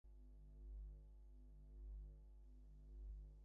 কয়েকদিন ধরে তার কোনো সাড়া শব্দ নেই।